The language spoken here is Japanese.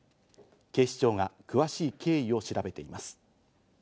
警視庁が詳しい経緯を調べています。